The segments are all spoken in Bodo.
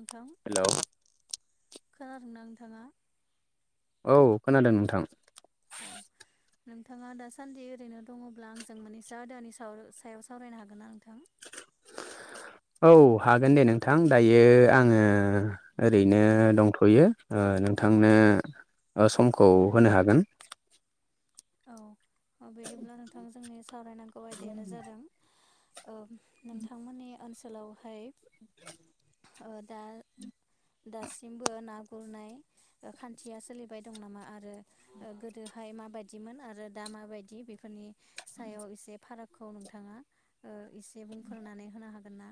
नोंथां हेलौ खोनादोंना नोंथाङा औ खोनादों नोंथां औ नोंथाङा दासान्दि ओरैनो दङब्ला आंजों मोनैसो आयदानि साव सायाव सावरायनो हागोन ना नोंथां। औ हागोन दे नोंथां दायो आङो ओरैनो औ दंथ'यो ओ नोंथांनो ओ समखौ होनो हागोन औ बिदिब्ला नोंथां जोंनि सावरायनांगौ आयदियानो जादों नोंथांमोननि ओनसोलावहाय ओ दा दासिमबो ना गुरनाय ओ खान्थिया सोलिबाय दं नामा आरो ओ गोदोहाय माबाय दिमोन आरो दा मा बायदि बेफोरनि सायाव एसे फारागखौ नोंथाङा ओ एसे बुंफोरनानै होनो हागोन ना?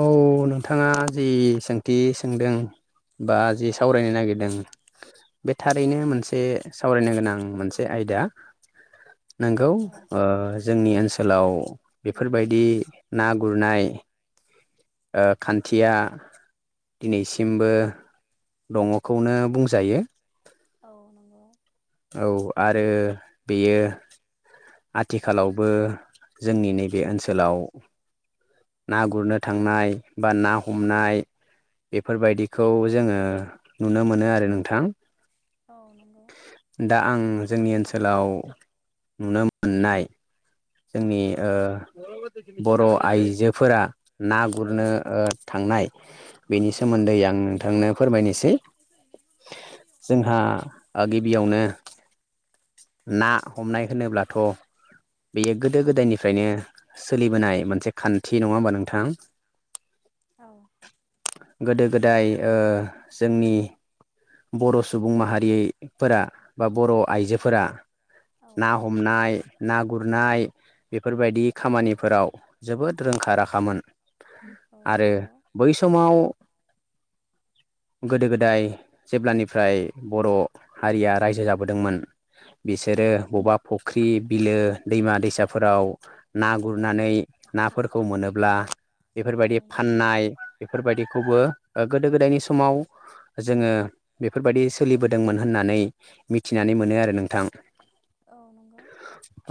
औ नोंथाङा जि सोंथि सोंदों बा जे औ सावरायनो नागिरदों बे थारैनो मोनसे सावरायनो गोनां मोनसे आयदा नोंगौ औ ओ जोंनि ओनसोलाव बेफोरबायदि ना गुरनाय ओ खान्थिया दिनैसिमबो दङ' खौनो बुंजायो। औ नंगौ। औ आरो बेयो आथिखालावबो जोंनि नैबे ओनसोलाव ना गुरनो थांनाय बा ना हमनाय बेफोरबायदिखौ जोङो नुनो मोनो आरो नोंथां। औ नंगौ। दा आं जोंनि ओनसोलाव नुनो मोननाय जोंनि औ ओ बर' आइजोफोरा ना गुरनो औ ओ थांनाय बेनि औ सोमोन्दै आं नोंथांनो फोरमायनोसै जोंहा आ गिबियावनो ना हमनाय होनोब्लाथ' बेयो गोदो गोदायनिफ्रायनो सोलिबोनाय मोनसे खान्थि नङा होमबा नोंथां? औ। गोदो गोदाय ओ जोंनि बर' सुबुं माहारिफोरा बा बर' आइजो फोरा ना हमनाय ना गुरनाय बेफोरबायदि खामानिफोराव जोबोद रोंखा राखामोन। औ आरो नंगौ बै समाव [inaudible] गोदो गोदाय जेब्लानिफ्राय बर' हारिया रायजो जाबोदोंमोन बिसोरो बबेबा फुख्रि बिलो दैमा दैसा फोराव ना औ गुरनानै नाफोरखौ मोनोब्ला औ बेफोरबायदि नंगौ फाननाय बेफोरबायदि खौबो गोदो गोदायनि समाव जोङो बेफोरबायदि सोलिबोदोंमोन होननानै मिथिनानै मोनो आरो नोंथां। औ नंगौ।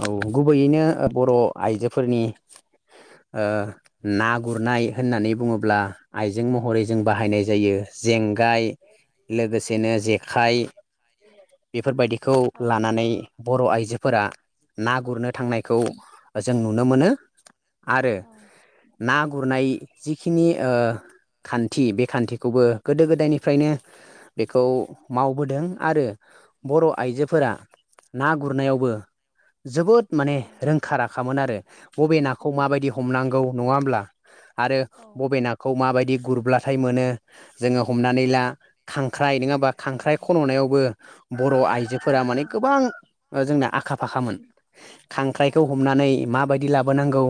औ गुबैयैनो बर' आइजोफोरनि ओ ना गुरनाय होननानै बुङोब्ला आइ जों महरै जों औ बाहायनाय जायो जेंगाय लोगोसेनो जेखाइ बेफोरबायदिखो औ लानानै बर' आइ जोफोरा ना गुरनो थांनायखौ जों नुनो मोनो। आरो औ ना गुरनाय जिखिनि ओ खान्थि बे खान्थिखौबो गोदो गोदायनिफ्रायनो बेखौ मावबोदों आरो बर' आइजो फोरा ना गुरनायावबो जोबोद माने औ नंगौ रोंखा राखामोन आरो बबे नाखौ माबायदि हमनांगौ नङा होमब्ला आरो बबे नाखौ माबायदि गुरब्लाथाय मोनो जोङो हमनानै ला खांख्राइ नङा होनबा खांख्राइ खन'नायावबो बर' आइजो फोरा माने गोबां जोंना आखा फाखामोन खांख्राइखौ हमनानै माबायदि ला बो नांगौ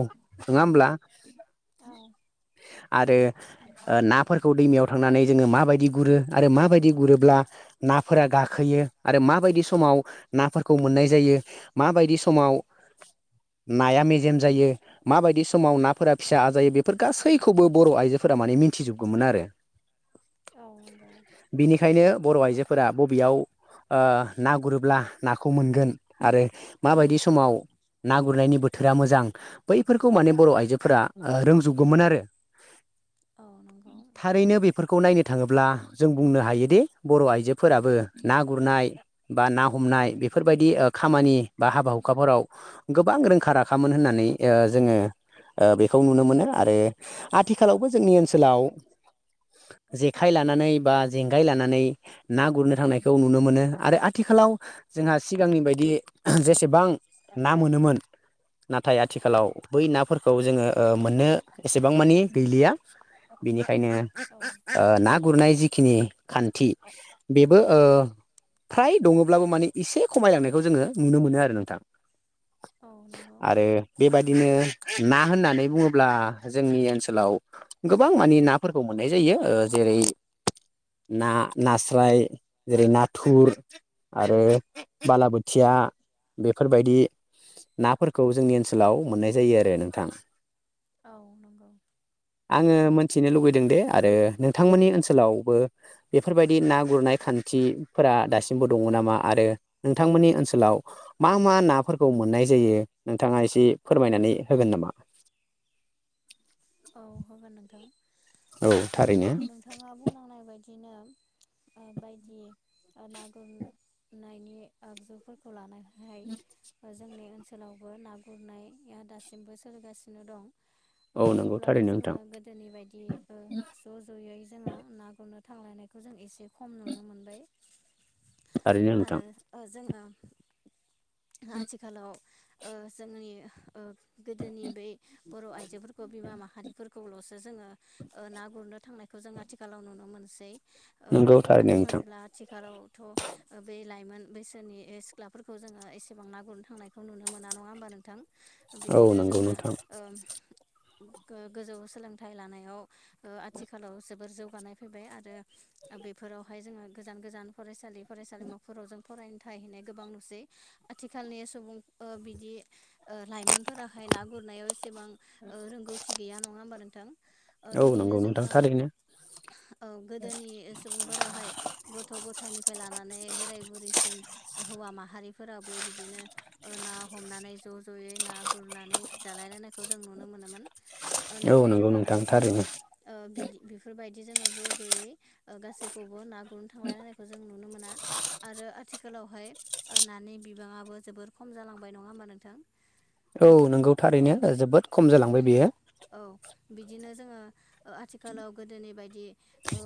नङा होमब्ला। आरो ओ नाफोरखौ दैमायाव। थांनानै जोंङो मायदि गुरो आरो मायदि गुरोब्ला नाफोरा गाखोयो आरो मायदि सु समाव नाफोरखौ मोननाय जायो माबायदि समाव। नाया मेजेम जायो माबायदि समाव नाफोरा फिसा आजायो बेफोर गासैखौबो बर' आइजो। फोरा माने मिन्थिजोबगौमोन आरो। [unintelligible] बिनिखायनो बर' आइजोफोरा बबेयाव ओ। ना गुरोब्ला नाखौ मोनगोन आरो माबायदि समाव। ना गुरनायनि बोथोरा मोजां बैफोरखौ माने बर' आइजोफोरा रोंजोबगौमोन आरो। [unintelligible] नंगौ थारैनो बेफोर खौ नायनो थाङोब्ला जों बुंनो हायोदि बर' आइजोफोराबो ना गुरनाय। बा ना हमनाय बेफोरबायदि खामानि बा हाबा हुखाफोराव गोबां रोंखा राखामोन होनना। नै ओ जोङो। ओ बेखौ नुनो मोनो आरो आथिखालावबो जोंनि ओनसोलाव। जेखाइ लानानै बा जेंगाय लानानै ना गुरनो थांनायखौ नुनो मोनो। आरो आथिखालाव जोंहा सिगांनि बायदि ओम जेसेबां ना मोनोमोन। नाथाय औ आथिखालाव बै नाफोरखौ जोङो। ओ मोननो एसेबां मानि गैलिया बिनिखायनो औ ना गुरनाय जि। खिनि खान्थि बेबो ओ। फ्राय दङब्लाबो माने एसे खमायलांनायखौ जोङो नुनो मोनो आरो नोंथां। औ नंगौ आरो बेबाददिनो। ना होननानै बुङोब्ला जोंनि ओनसोलाव गोबां मानि नाफोरखौ मोननाय जायो ओ। जेरै ना नास्राय जेरै ना। थुर आरो बालाबोथिया बेफोरबायदि। नाफोरखौ जोंनि ओनसोलाव मोननाय जायो आरो नोंथां। औ नंगौ। थिनो लुगैदों दे आरो नोंथांमोननि ओनसोलावबो बेफोरबायदि ना गुरनाय खान्थि। फोरा दासिमबो दङ नामा आरो नोंथांमोननि ओनसोलाव मा मा नाफोरखौ मोननाय जायो। नोंथाङा एसे फोरमायनानै होगोन नामा [unintelligible] औ होगोन नोंथां। औ थारैनो। बिनोम। ओ बायदि ना गुर नायनि आगजुफोरखौ लानाय। हाय जोंनि ओनसोलावबो ना गुरनाया दासिमबो सोलिगासिनो दं। ओ औ नंगौ थेवब्लाबो थारैनो जोङो नोंथां गोदोनि बायदि ज' ज'यै जोङो ना गुरनो। थांलायनायखौ जों एसे खम नुनो मोनबाय। थारैनो नोंथां आरो ओ जोङो। आथिखालाव ओ जोंनि ओ गोदोनि बै बर' आइजोफोर। ओ बिमा माहारिफोरखौल'सो जोङो ना गुरनो थांनायखौ जों आथिखालाव नुनो मोनसै। ओ नंगौ थारैनो मानो नोंथां होनोब्ला आथिखालाव। थ' बे लाइमोन बैसोनि सिख्लाफोरखौ जोङो एसेबां ना गुरनो थांनायखौ नुनो मोना नङा होनबा नोंथां। औ बिदिनो नंगौ जोंना नोंथां ओ गो-गोजौ सोलोंथाइ लानायाव आथिखालाव जोबोर जौगानाय फैबाय आरो। बेफोरावहाय जोङो गोजान-गोजान फरायसालि फरायसालिमाफोराव जों। फरायनो थनाय गोबां नुसै आथिखालनि सुबुं बिदि लाइमोनफोराहाय ना गुरनायाव एसेबां रोंगौथि गैया नङा होमबा नोंथां औ बिदिनो नंगौ जोङो नोंथां थारैनो ओ गोदोनि सुबुंफोराहाय गथ' गथायनि फ्राय लानानै बोराय बुरिसिम हौवा माहारिफोराबो बिदिनो ना हमनानै ज ज' ज'यै ना गुरनानै जालायलायनायखौ जों नुनो नुनो मोनोमोन ओ औ नाथाय नंगौ जोंहा नोंथां आथिखालाव थारैनो ओ बिदि बेफोरबादि जोङो ज ज' जयै गासैखौबो ना गुरनो थांलायलायनायखौ जों नुनो मोना आरो आथिलाव हाय नि बिबाङाबो जोबोर खम जालांबाय नङा होमबा नोंथां? औ नंगौ औ थारैनो जोबोद खम। जालांबाय बियो औ बिदिनो जोङो ओ आथिखालाव गोदोनि बायदि [unintelligible] औ।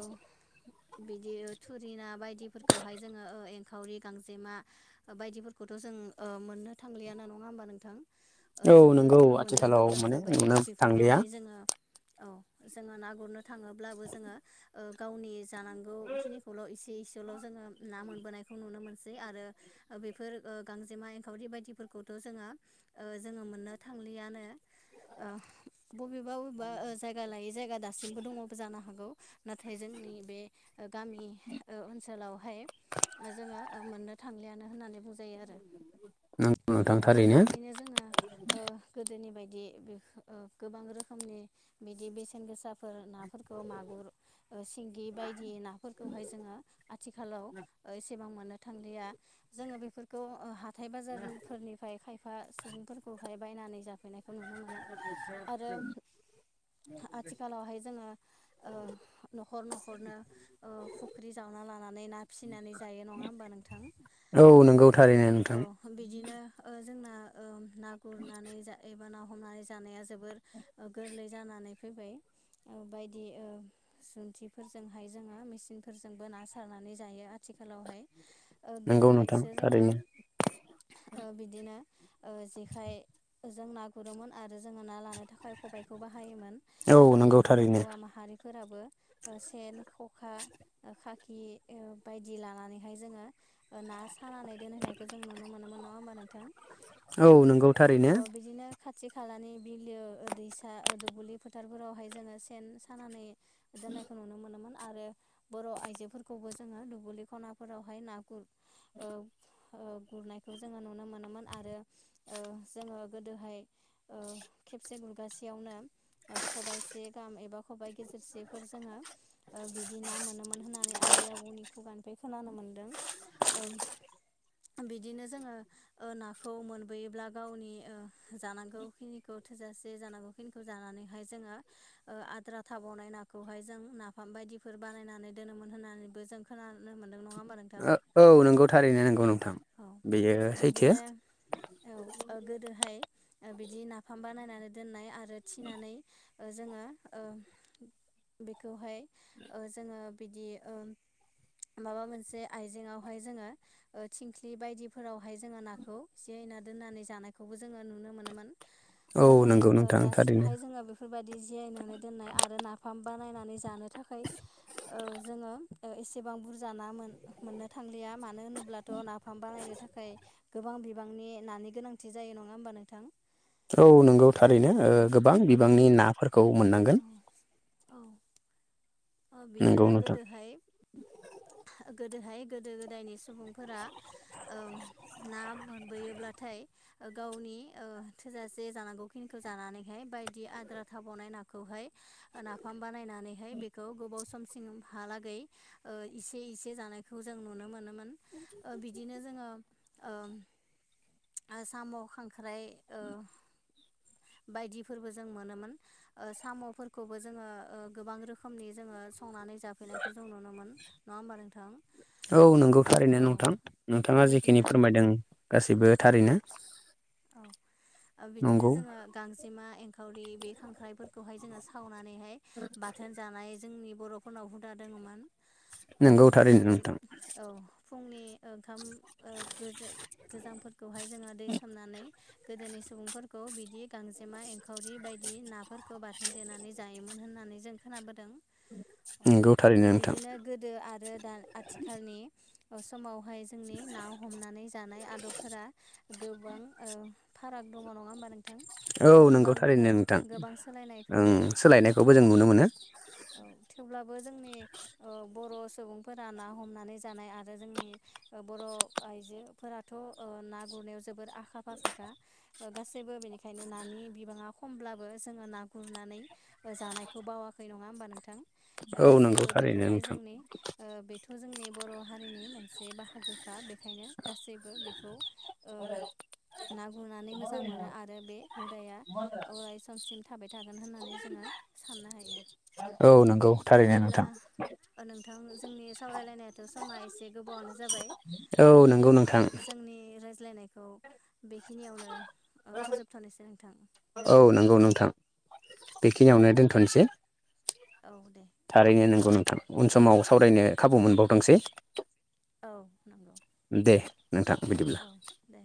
बिदि थुरिना बायदिफोरखौहाय जोङो एंखावरि गांजेमा बायदि फोरखौथ' जों मोननो थांलियाना नङा होमबा नोंथां? औ नंगौ आथिखलाव माने हाय नुनो थांलिया बेफोरखौहाय जोङो औ जोङो ना गुरनो थाङोब्लाबो जोङो गावनि जानांगौखिनिखौल' एसे खाल' जोङो ना मोनबोनायखौ नुनो मोनसै आरो बेफोर गांजेमा एंखावरि बायदिफोरखौथ' जोङो ओ जोङो मोननो थांलियानो। ओ बबेबा बबेबा ओ जायगा लायै जायगा दासिमबो दङ जानो हागौ। नाथाय जोंनि बे गामि ओ ओनसोलावहाय जोङो मोननो थांलियानो। होननानै बुंजायो आरो। नंगौ नोंथां दा थारैनो बेफोरदिनो जोङो ओ गोदोनि बादि‌ बिदि गोबां रोखोमनि बिदि बेसेन गोसाफोर नाफोरखौ मागुर सिंगि बायदि नाफोरखौहाय जोङो आथिखालाव ओ ए मोननो थांलिया जोङो बेफोरखौ ओ हाथाय बाजारफोरनिफ्राय एफा सुबुंफोरखौहाय बायनानै जाफैनायखौ नुनो मोनो आरो आथिखालावहाय जोङो ओ न'खर न'खरनो ओ फुख्रि जावनो ना लानानै ना फिसिनानै जायो नङा होमबा नोंथां? औ नंगौ थारैनो औ नोंथां। बिदिनो ओ जोंना ओ ना गुरनानै जा एबा ना हमनानै जानाया जोबोर गोरलै जानानै फैबाय बायदि जुन्थिफोरजोंहाय जोङो मेचिनफोरजोंबो ना सारनानै जायो आथिखालावहाय। ओ नंगौ नोंथां गोदोहायसो जोङो थारैनो ओ बिदिनो ओ जेखाइ जों ना गुरोमोन आरो जोङो ना लानो थाखाय खबायाइखौ बाहायोमोन औ आरो नंगौ जोंनो थारैनो हौवा माहारि फोराबो सेन खखा खाखि बायदि लानानैहाय जोङो ना सानानै दोनहैनायखौ जों नुनो मोनोमोन नङा होमबा नोंथां? औ नोंगौ। थ बिदिनो खाथि खालानि बिलो दैसा दुब्लि फोथारफोरावहाय जोङो सेन सानानै गोदोननायखौ नुनो मोनोमोन। आरो बर' आइजोफोरखौबो जोङो दुब्लि खनाफोरावहाय ना गुर ओ गुरनायखौ जोङो नुनो मोनोमोन आरो ओ जोङो गोदोहाय ओ खेबसे गुरगासेयावनो खबाइसे गाहाम एबा खबाइ गेजेरसेफोर जोङो बिदि ना मोनोमोन होननानै आबै आबौनि खुगानिफ्राय खोनानो मोन मोन्दों ओ बिदिनो जोङो ओ नाखौ मोनबोयोब्ला गावनि ओ जानांगौखिनिखौ थोजासे जानांगौखिनिखौ जानानैहाय जोङो आद्रा थाबावनाय नाखौहाय जों नाफाम बायदिफोर बानायनानै दोनोमोन होननानैबो जों खोनानो मोन्दों नङा होमबा नोंथां औ नंगौ थारैनो नंगौ नोंथां बेयो औ सैथो। बिदिनो औ ओ गोदोहाय बिदि नाफाम बानायनानै दोननाय आरो थिनानै ओ जोङो ओ बेखौहाय ओ जोङो बिदि माबा मोनसे आइजेंआवहाय जोङो ओ थिंख्लि बायदिफोरावहाय जोङो नाखौ एसे खायना दोननानै जानायखौबो जोङो नुनो मोनोमोन। औ नाथाय नंगौ ओ नोंथां थारैनो दासिमहाय जोङो बेफोरबायदि जियायनानै दोननाय आरो ना फाम बानायनानै जानो थाखाय ओ जोङो एसेबां बुरजा ना मोन मोननो था थांलिया मानो होनोब्लाथ' नाफाम बानायनो थाखाय गोबां बिबांनि नानि गोनांथि खाथि जायो नङा होमबा नोंथां? औ नोंगौ थारैनो ओ औ गोबां ओ बिबांनि बिदि नाफोरखौ मोननांगोन। औ औ नंगौ बिदिनो नोंथां गोदोहाय गोदोहाय गोदो गोदायनि सुबुंफोरा ओ ना मोनबोयोब्लाथाय गावनि ओ थोजासे जानांगौ खिनिखौ जानानैहाय बायदि आद्रा थाबावनाय नाखौहाय नाफाम बानायनानैहाय बे खौ गोबाव समसिमहालागै इसे इसे जानायखौ जों नुनो मोनोमोन ओ बि दिनो जोङो ओ साम' खांख्राइ ओ बायदिफोरबो जों मोनोमोन ओ साम'फोरखौबो जोङो गोबां रो खोमनि जोङो संनानै जाफैनायखौ जों नुनो मोन नङा होमबा नोंथां? औ नोंगौ थारैनो औ नोंथां नोंथाङा जेखिनि बिदिनो फोरमायदों गासैबो थारैनो। औ बिदिनो नंगौ जोङो गांजेमा एंखावरि बे खांख्राइफोरखौहाय जोङो साव नानैहाय बाथोन जानाय जोंनि बर'फोरनाव हुदा दङमोन। नंगौ थारैनो बिदिनो नोंथां औ फुंनि ओंखाम ओ गोजांफोरखौहाय जोङो दै सोमनानै गोदोनि सुबुंफोरखौ बिदि गांजेमा एंखावरि बायदि नाफोरखौ बारसोनदेना नै जायोमोन होननानै जों खोनाबोदों। नंगौ थारैनो नोंथां। बिदिनो गोदो आरो दा आथिखालनि अ समाव बेहाय जोंनि ना हमनानै जानाय आदबफोरा गोबां ओ फाराग दङ नङा होमबा नोंथां औ ओ नंगौ गोबां ओ थारैनो नोंथां गोबां सोलायनाय ओं फैबाय सोलायनायखौबो ओ जों नुनो मोनो। औ थेवब्ला बो जोंनि बर' सुबुंफोरा ना हमनानै जानाय आरो जोंनि बर' आयजोफोराथ' ओ ना गुरनायाव जोबोर आखा फाखाखा गासैबो बेनिखायनो नानि बिबाङा खमब्लाबो जोङो ना गुरना नै जानायखौ बावाखै नङा होमबा नों थां औ नंगौ गासैबो थारैनो बेखौहाय नोंथां जोंनि ओ बेथ' जोंनि बर' हारिनि मोनसे बाहागोखा बेखायनो गासैबो बेखौ ओ म ना गुरनानै मोजां मोनो आरो बे हुदाया अराय समसिम थाबाय थागोन होननानै जोङो साननो हायो। औ नंगौ थारैनो बिदिब्ला नोंथां। नोंथां जोंनि सावरायलायनायाथ' समा एसे गोबावनो जाबाय औ ओ नंगौ नोंथां जों नि रायज्लायनायखौ बेखिनियावनो ओ फोजोबथ'नोसै नोंथां औ गोजोन्थों नंगौ नोंथां औ बेखिनियावनो दोनथ'नोसै। औ दे थारैनो नोंगौ नोंथां उन समाव सावरायनो खाबु मोनबावथोंसै। औ दे नोंथां बिदिब्ला औ दे